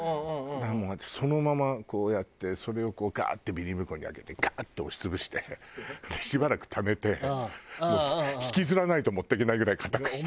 だから私そのままこうやってそれをガッてビニール袋にあけてガッて押し潰してしばらくためてもう引きずらないと持っていけないぐらい硬くして。